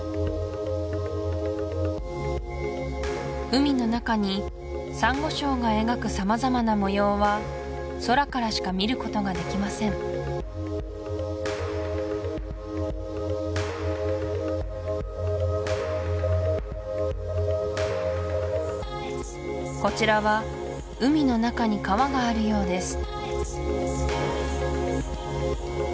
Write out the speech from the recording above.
海の中にサンゴ礁が描く様々な模様は空からしか見ることができませんこちらは海の中に川があるようです